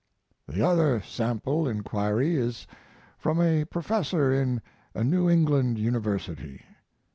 The other sample inquiry is from a professor in a New England university.